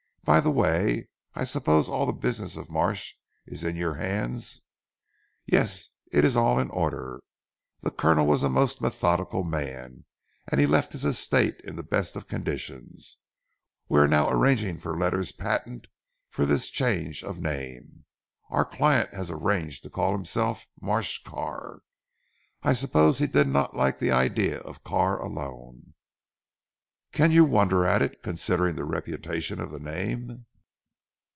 By the way I suppose all the business of Marsh is in your hands?" "Yes! It is all in order. The Colonel was a most methodical man, and left his estate in the best of conditions. We are now arranging for letters patent for this change of name. Our client has arranged to call himself Marsh Carr. I suppose he did not like the idea of Carr alone." "Can you wonder at it considering the reputation of the name?"